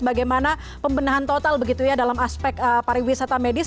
bagaimana pembenahan total begitu ya dalam aspek pariwisata medis